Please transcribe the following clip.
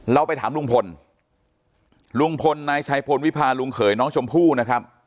เราไปถามลุงพลลุงพลนายชัยพลวิพาลุงเขยน้องชมพู่นะครับ